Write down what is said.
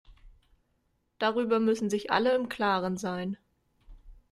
Darüber müssen sich alle im klaren sein.